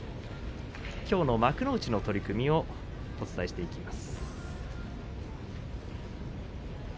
きょうの幕内の取組をお伝えしていきます。